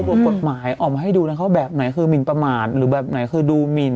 กฎหมายออกมาให้ดูแล้วเขาแบบไหนคือหมินประมาทหรือแบบไหนคือดูหมิน